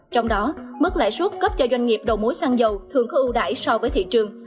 trong đó mức lãi suất cấp cho doanh nghiệp đầu mối xăng dầu thường có ưu đải so với thị trường